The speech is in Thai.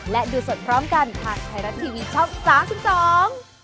และดูสดพร้อมกันทางไทยรัฐทีวีช่อง๓๒